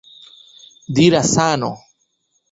Dira Sano!